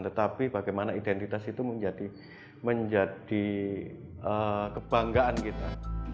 tetapi bagaimana identitas itu menjadi kebanggaan kita